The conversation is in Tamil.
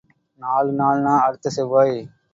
நாலு நாள்னா... அடுத்த செவ்வாய்.